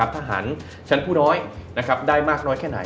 ทหารชั้นผู้น้อยได้มากน้อยแค่ไหน